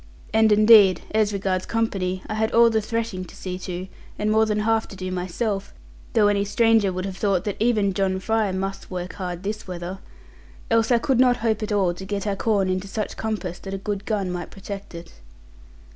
And indeed, as regards company, I had all the threshing to see to, and more than half to do myself (though any one would have thought that even John Fry must work hard this weather), else I could not hope at all to get our corn into such compass that a good gun might protect it.